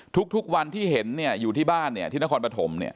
ทุกวันที่เห็นอยู่ที่บ้านที่นครปฐม